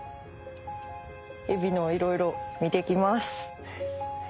えびのをいろいろ見てきます。